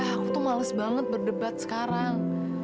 aku tuh males banget berdebat sekarang